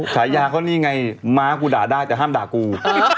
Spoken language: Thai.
ฉายาเขานี่ไงม้ากูด่าได้แต่ห้ามด่ากู